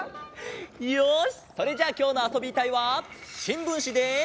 よしそれじゃあきょうの「あそびたい」はしんぶんしで。